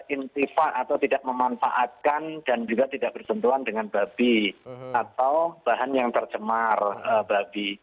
itu tidak memanfaatkan dan juga tidak berbentuan dengan babi atau bahan yang tercemar babi